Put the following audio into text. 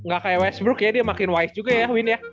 gak kayak westbrook ya dia makin wise juga ya